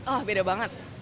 oh beda banget